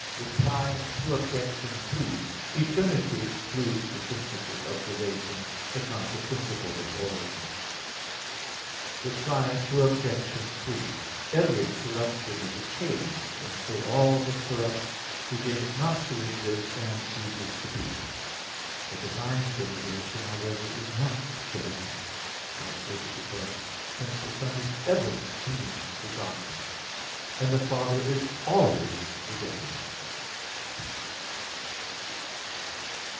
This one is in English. Reply Obj. 2: Eternity excludes the principle of duration, but not the principle of origin. Reply Obj. 3: Every corruption is a change; and so all that corrupts begins not to exist and ceases to be. The divine generation, however, is not changed, as stated above (Q. 27, A. 2). Hence the Son is ever being begotten, and the Father is always begetting.